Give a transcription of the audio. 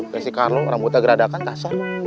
sisi carlo rambut agrada kan kasar